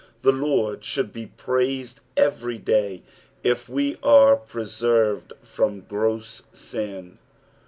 The Lord should be praised every day if wo are preserved from gross sin.